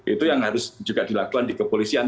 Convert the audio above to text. itu yang harus juga dilakukan di kepolisian